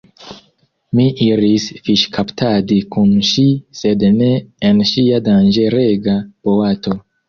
Mi iris fiŝkaptadi kun ŝi sed ne en ŝia danĝerega boato.